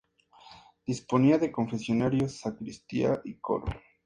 Disponía de confesionario, sacristía y coro.